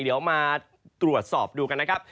เดี๋ยวมาตรวจสอบดูกันนะครับ